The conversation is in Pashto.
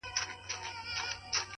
له تېرو زده کړه راتلونکی روښانوي؛